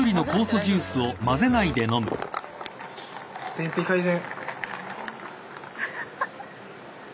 便秘改善。